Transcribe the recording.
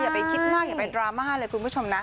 ไปคิดมากอย่าไปดราม่าเลยคุณผู้ชมนะ